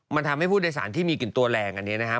มันทำให้ผู้โดยสารที่มีกลิ่นตัวแรงอันนี้นะครับ